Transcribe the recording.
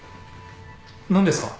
何ですか？